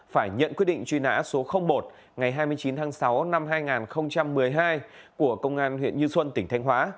phải nhận quyết định truy nã số một ngày hai mươi chín tháng sáu năm hai nghìn một mươi hai của công an huyện như xuân tỉnh thanh hóa